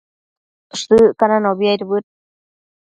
Shëccananobi aidbëd